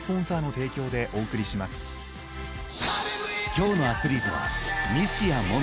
［今日のアスリートは］